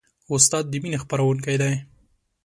استاد د مینې خپروونکی دی.